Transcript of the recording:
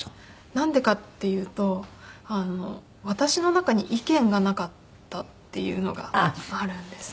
なんでかっていうと私の中に意見がなかったっていうのがあるんですね。